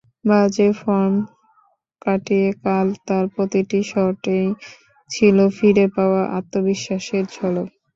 বাজে ফর্ম কাটিয়ে কাল তাঁর প্রতিটি শটেই ছিল ফিরে পাওয়া আত্মবিশ্বাসের ঝলক।